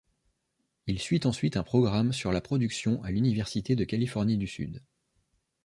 Il suit ensuite un programme sur la production à l'Université de Californie du Sud.